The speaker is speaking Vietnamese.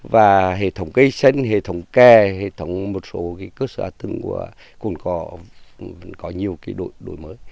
và hệ thống cây sên hệ thống kè hệ thống một số cơ sở hạt thương của cồn cỏ vẫn có nhiều cái đổi mới